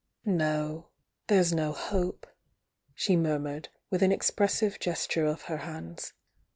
"No — there's no hope!" she murmured, with an expressive gesture of her hands.